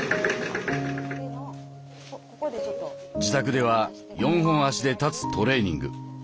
自宅では４本足で立つトレーニング。